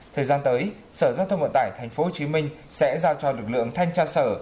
thời gian tới sở giao thông vận tải tp hcm sẽ giao cho lực lượng thanh tra sở